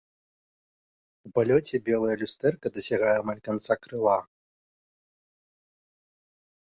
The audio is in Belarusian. У палёце белае люстэрка дасягае амаль канца крыла.